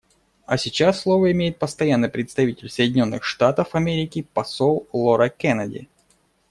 А сейчас слово имеет Постоянный представитель Соединенных Штатов Америки посол Лора Кеннеди.